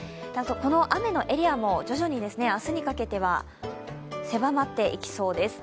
この雨のエリアも徐々に明日にかけては狭まっていきそうです。